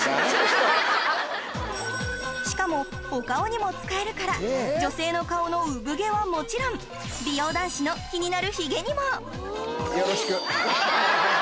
しかもお顔にも使えるから女性の顔の産毛はもちろん美容男子の気になるヒゲにもよろしく！